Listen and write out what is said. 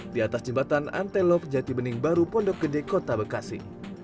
di atas jembatan antelok jati bening baru pondok gede kota bekasi